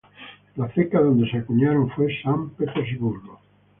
La ceca donde se acuñaron fue San Petersburgo.